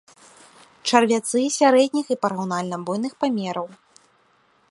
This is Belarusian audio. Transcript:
Чарвяцы сярэдніх і параўнальна буйных памераў.